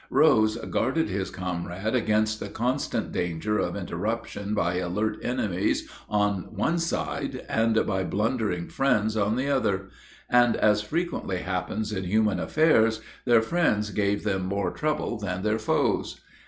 Rose guarded his comrade against the constant danger of interruption by alert enemies on one side and by blundering friends on the other; and, as frequently happens in human affairs, their friends gave them more trouble than their foes.